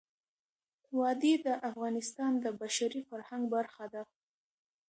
وادي د افغانستان د بشري فرهنګ برخه ده.